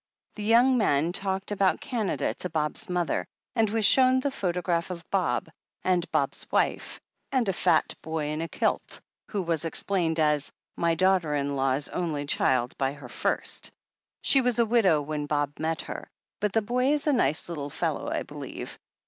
The young man talked about Canada to Bob's mother, and was shown the photograph of Bob, and 430 THE HEEL OF ACHILLES Bob's wife, and a fat boy in a kilt, who was explained as "my daughter in law's only child by her first. She was a widow when Bob met her, but the boy is a nice little fellow, I believe.